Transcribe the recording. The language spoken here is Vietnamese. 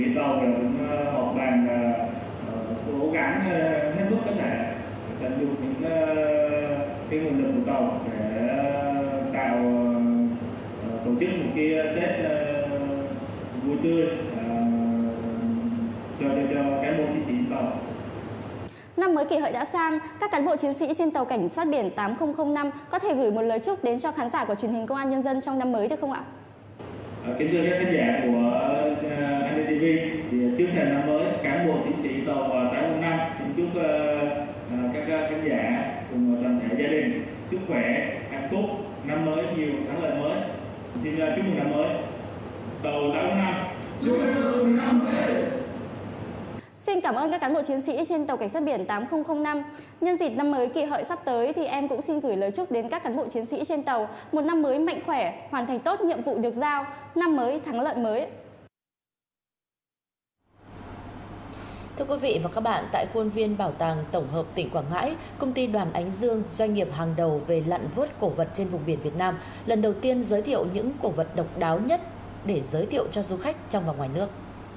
thưa quý vị và các bạn tại khuôn viên bảo tàng tổng hợp tỉnh quảng ngãi công ty đoàn ánh dương doanh nghiệp hàng đầu về lặn vốt cổ vật trên vùng biển việt nam lần đầu tiên giới thiệu những cổ vật độc đáo nhất để giới thiệu cho du khách trong và ngoài nước